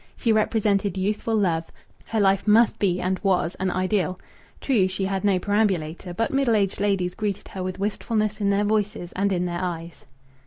She represented youthful love. Her life must be, and was, an idyll! True, she had no perambulator, but middle aged ladies greeted her with wistfulness in their voices and in their eyes.